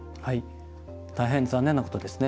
大変残念なことですね。